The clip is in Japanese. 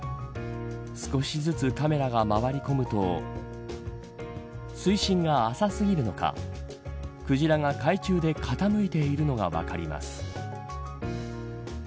少しずつカメラが回り込むと水深が浅すぎるのかクジラが海中で傾いているのが分かります。